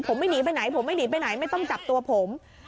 ผมไม่หนีไปไหนผมไม่หนีไปไหนไม่ต้องจับตัวผม